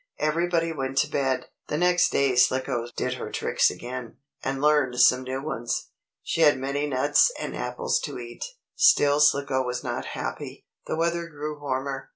Everybody went to bed. The next day Slicko did her tricks again, and learned some new ones. She had many nuts and apples to eat. Still Slicko was not happy. The weather grew warmer.